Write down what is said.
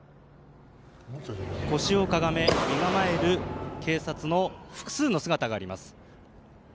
腰をかがめ、身構える警察の複数の姿があります。